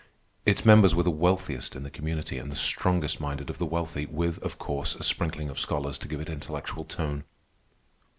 Its members were the wealthiest in the community, and the strongest minded of the wealthy, with, of course, a sprinkling of scholars to give it intellectual tone.